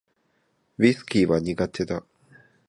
ウィスキーは苦手だ